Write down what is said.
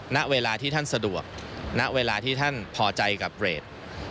ณเวลาที่ท่านสะดวกณเวลาที่ท่านพอใจกับเรท